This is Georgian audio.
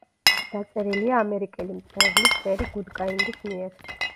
დაწერილია ამერიკელი მწერლის ტერი გუდკაინდის მიერ.